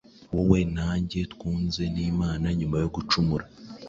Wowe na njye twunzwe n’Imana nyuma yo gucumura